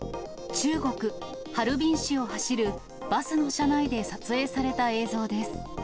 中国・ハルビン市を走るバスの車内で撮影された映像です。